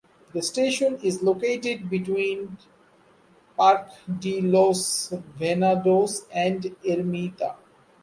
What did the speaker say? The station is located between Parque de los Venados and Ermita.